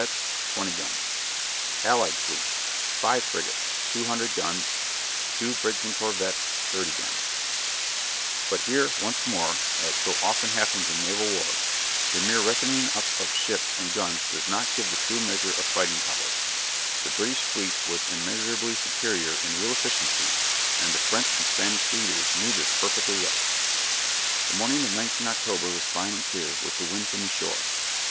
Guns. Frigates. Guns. corvettes. Guns. British fleet 27 2148 4 146 2 20 Allied fleet 33 2626 5 200 2 30 But here once more as so often happens in naval war the mere reckoning up of ships and guns does not give the true measure of fighting power. The British fleet was immeasurably superior in real efficiency, and the French and Spanish leaders knew this perfectly well. The morning of 19 October was fine and clear with the wind from the shore.